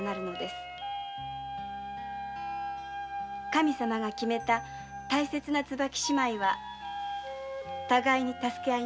神様が決めた大切な椿姉妹は互いに助け合います。